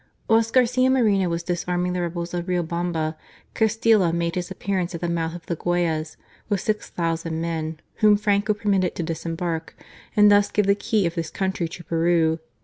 Whilst Garcia Moreno was disarming the rebels of Riobamba, Castilla made his appearance at the mouth of the Guayas with six thousand men, whom Franco permitted to disembark, and thus give the key of his country to Peru.